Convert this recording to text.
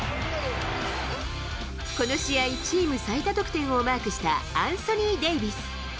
この試合、チーム最多得点をマークしたアンソニー・デイビス。